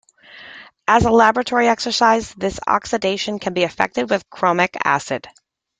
As a laboratory exercise, this oxidation can be effected with chromic acid.